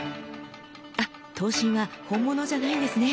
あっ刀身は本物じゃないんですね。